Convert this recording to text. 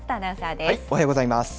おはようございます。